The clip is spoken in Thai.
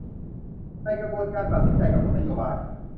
ในกระบวนการตัดสินใจกำหนดนโยบาย